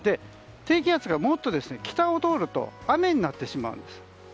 低気圧がもっと北を通ると雨になってしまうんです。